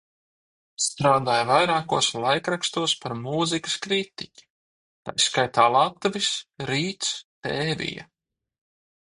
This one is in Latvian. "Strādāja vairākos laikrakstos par mūzikas kritiķi, tai skaitā "Latvis", "Rīts", "Tēvija"."